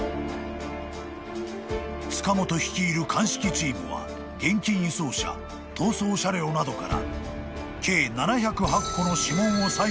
［塚本率いる鑑識チームは現金輸送車逃走車両などから］